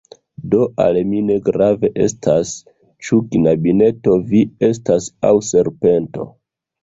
Do al mi ne grave estas ĉu knabineto vi estas aŭ serpento!